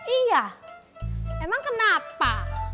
iya emang kenapa